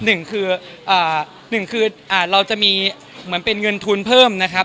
หนึ่งคือหนึ่งคือเราจะมีเหมือนเป็นเงินทุนเพิ่มนะครับ